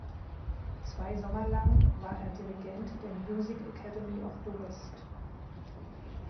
Zwei Sommer lang war er Dirigent der Music Academy of the West.